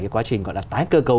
cái quá trình gọi là tái cơ cấu